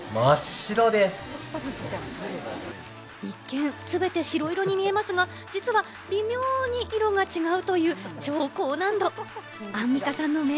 一見、全て白色に見えますが、実は微妙に色が違うという超高難度。